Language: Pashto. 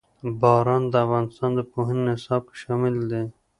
باران د افغانستان د پوهنې نصاب کې شامل دي.